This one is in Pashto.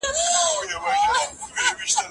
هیڅ ټولنه په لنډه موده کي نه بدلیږي.